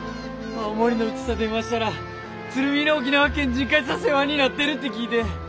青森のうぢさ電話したら鶴見の沖縄県人会さ世話になってるって聞いで。